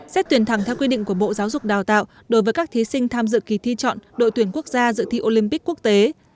xét tuyển thẳng theo quy định của bộ giáo dục đào tạo đối với các thí sinh tham dự kỳ thi chọn đội tuyển quốc gia dự thi olympic quốc tế